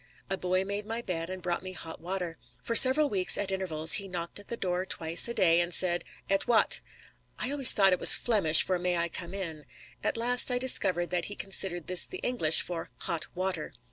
A boy made my bed and brought me hot water. For several weeks at intervals he knocked at the door twice a day and said: "Et wat." I always thought it was Flemish for "May I come in?" At last I discovered that he considered this the English for "hot water."